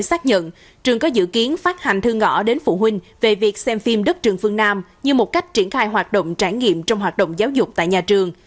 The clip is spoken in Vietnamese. xác nhận trường có dự kiến phát hành thư ngõ đến phụ huynh về việc xem phim đất trường phương nam như một cách triển khai hoạt động trải nghiệm trong hoạt động giáo dục tại nhà trường